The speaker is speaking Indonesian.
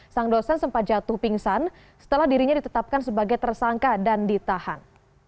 sang dosen sempat jatuh pingsan setelah dirinya ditetapkan sebagai tersangka dan ditahan